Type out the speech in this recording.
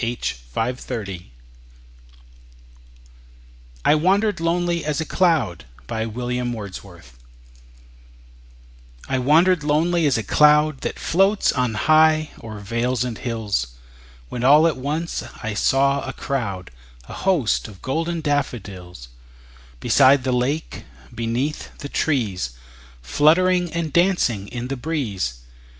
William Wordsworth I Wandered Lonely As a Cloud I WANDERED lonely as a cloud That floats on high o'er vales and hills, When all at once I saw a crowd, A host, of golden daffodils; Beside the lake, beneath the trees, Fluttering and dancing in the breeze.